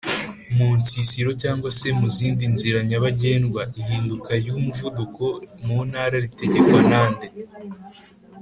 Munsisiro cg se muzindi nzira nyabagendwa ihinduka ry’umuvuduko muntara ritagekwa nande